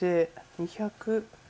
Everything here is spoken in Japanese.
２００。